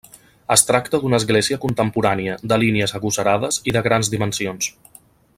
Es tracta d'una església contemporània, de línies agosarades i de grans dimensions.